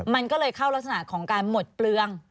มันก็เลยเข้ารักษณะของการหมดเปลือง